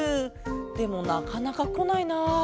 でもなかなかこないな。